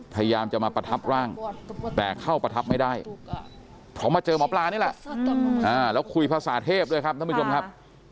พยายามจะมาประทับร่างแต่เข้าประทับไม่ได้เพราะมาเจอหมอปลานี่แหละแล้วคุยภาษาเทพด้วยครับท่านผู้ชมครับ